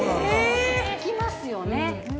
よく聞きますよね。